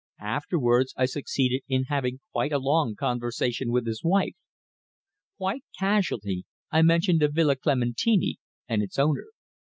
Afterwards I succeeded in having quite a long conversation with his wife. Quite casually I mentioned the Villa Clementini, and its owner.